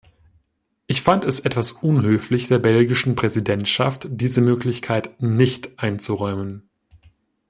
Ich fand es etwas unhöflich, der belgischen Präsidentschaft diese Möglichkeit nicht einzuräumen.